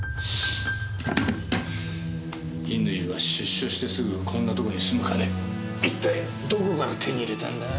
乾は出所してすぐこんなとこに住む金一体どこから手に入れたんだ？